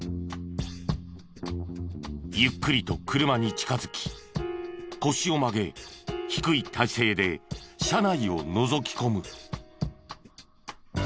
ゆっくりと車に近づき腰を曲げ低い体勢で車内をのぞき込む。